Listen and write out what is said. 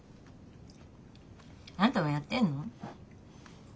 あんたもやってんの？